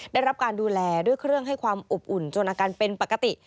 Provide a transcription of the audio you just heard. ได้รับการดูแลด้วยเครื่องให้ความอบอุ่นจนอาการเป็นปกติ